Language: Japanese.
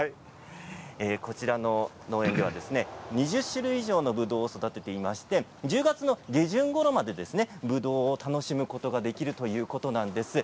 こちらの農園では、２０種類以上のぶどうを育てていまして１０月の下旬ごろまでぶどうを楽しむことができるということなんです。